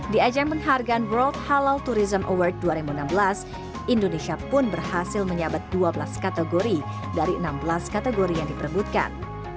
di ajang penghargaan world halal tourism award dua ribu enam belas indonesia pun berhasil menyabat dua belas kategori dari enam belas kategori yang diperebutkan